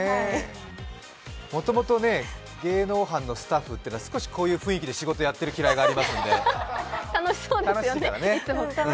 もともと芸能班のスタッフって少しこういう雰囲気で仕事やってるきらいがありますので、楽しいからね。